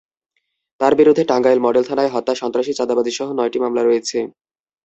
তাঁর বিরুদ্ধে টাঙ্গাইল মডেল থানায় হত্যা, সন্ত্রাসী, চাঁদাবাজিসহ নয়টি মামলা রয়েছে।